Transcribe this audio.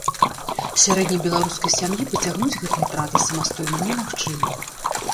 Сярэдняй беларускай сям'і пацягнуць гэтыя траты самастойна немагчыма.